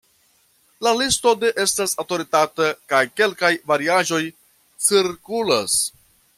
La listo ne estas aŭtoritata kaj kelkaj variaĵoj cirkulas.